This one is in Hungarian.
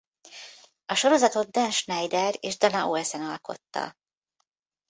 A sorozatot Dan Schneider és Dana Olsen alkotta.